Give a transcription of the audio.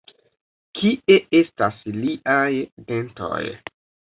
Kie estas liaj dentoj?